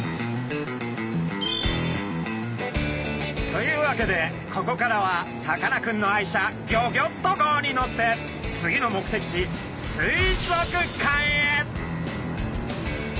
というわけでここからはさかなクンの愛車ギョギョッと号に乗って次の目的地水族館へ。